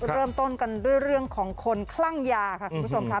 เริ่มต้นกันด้วยเรื่องของคนคลั่งยาค่ะคุณผู้ชมค่ะ